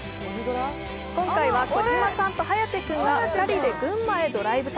今回は児嶋さんと颯君が２人で群馬へドライブ旅。